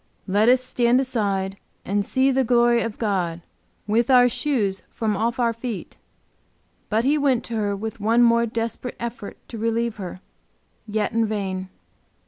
"Let us stand aside and see the glory of God, with our shoes from off our feet." But he went to her with one more desperate effort to relieve her, yet in vain.